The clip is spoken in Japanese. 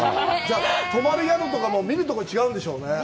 泊まる宿とかも見るところが違うでしょうね？